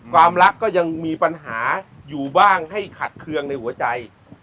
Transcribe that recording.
ความรักก็ยังมีปัญหาอยู่บ้างให้ขัดเคืองในหัวใจ